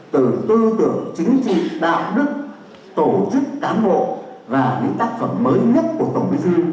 từ tư tưởng chính trị đạo đức tổ chức cán bộ và những tác phẩm mới nhất của tổng bí thư